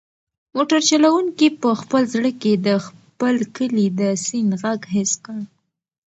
موټر چلونکي په خپل زړه کې د خپل کلي د سیند غږ حس کړ.